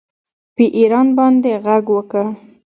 په ایران باندې غږ وکړ